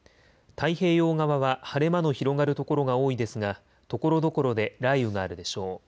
太平洋側は晴れ間の広がる所が多いですがところどころで雷雨があるでしょう。